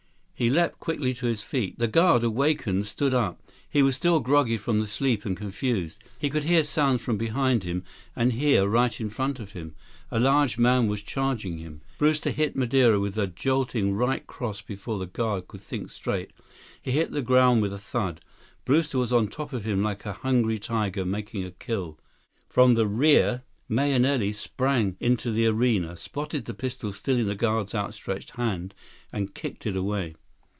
157 He leaped quickly to his feet. The guard, awakened, stood up. He was still groggy from sleep and confused. He could hear sounds from behind him, and here right in front of him, a large man was charging him. Brewster hit Madeira with a jolting right cross before the guard could think straight. He hit the ground with a thud. Brewster was on top of him like a hungry tiger making a kill. From the rear, Mahenili sprang into the arena, spotted the pistol still in the guard's outstretched hand, and kicked it away.